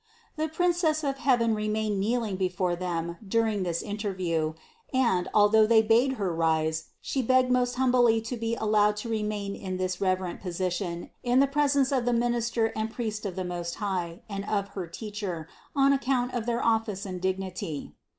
The Princess of heaven re mained kneeling before them during this interview and, although they bade Her rise, She begged most humbly to THE CONCEPTION 363 be allowed to remain in this reverent position in the pres ence of the minister and priest of the Most High and of her teacher, on account of their office and dignity.